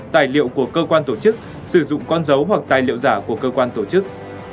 tài liệu của cơ quan tổ chức sử dụng con dấu hoặc tài liệu giả của cơ quan tổ chức